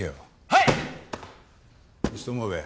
はい。